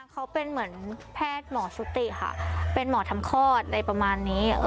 เขาเป็นเหมือนแพทย์หมอชุติค่ะเป็นหมอทำคลอดอะไรประมาณนี้